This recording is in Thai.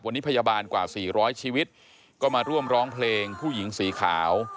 วันนี้พยาบาลกว่า๔๐๐ชีวิตก็มาร่วมร้องเพลงผู้หญิงสีขาว